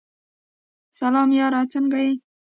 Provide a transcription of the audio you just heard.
سلام یاره سنګه یی ؟